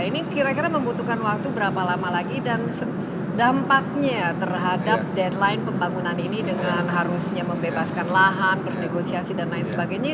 ini kira kira membutuhkan waktu berapa lama lagi dan dampaknya terhadap deadline pembangunan ini dengan harusnya membebaskan lahan bernegosiasi dan lain sebagainya